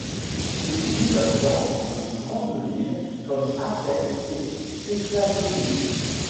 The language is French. Ils vivent dans de grandes villes comme Athènes et Thessalonique.